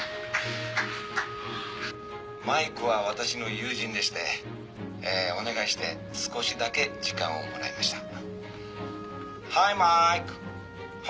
「マイクは私の友人でしてお願いして少しだけ時間をもらいました」